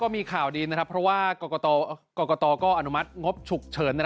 มีข่าวดีนะครับเพราะว่ากรกตก็อนุมัติงบฉุกเฉิน